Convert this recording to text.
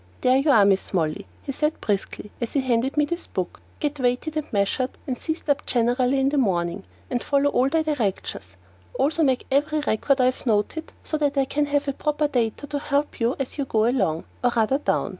"There you are, Mrs. Molly," he said briskly as he handed me this book. "Get weighed and measured and sized up generally in the morning, and follow all the directions. Also make every record I have noted so that I can have the proper data to help you as you go along or rather down.